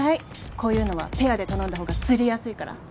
こういうのはペアで頼んだほうが釣りやすいから。